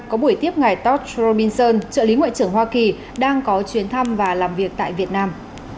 có buổi tiếp ngày todd robinson trợ lý ngoại trưởng hoa kỳ đang có chuyến thăm và làm việc tại việt nam